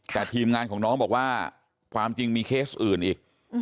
แต่ทีมงานของน้องบอกว่าความจริงมีเคสอื่นอีก